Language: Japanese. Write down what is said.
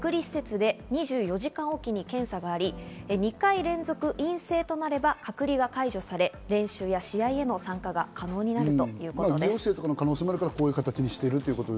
症状がなければ隔離施設で２４時間おきに検査があり、２回連続、陰性となれば隔離は解除され、練習や試合への参加が可能になるということです。